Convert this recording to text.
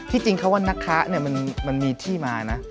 ที่จริงเขาว่านักค้ามันมีที่มานะ